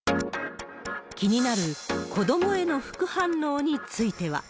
気になる子どもへの副反応については。